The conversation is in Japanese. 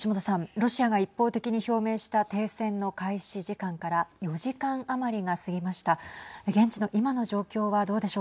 ロシアが一方的に表明した停戦の開始時間から４時間余りが過ぎました。